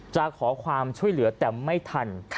จะขอความช่วยเหลือแต่ไม่ทัน